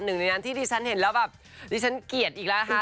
หนึ่งในนั้นที่ดิฉันเห็นแล้วแบบดิฉันเกลียดอีกแล้วค่ะ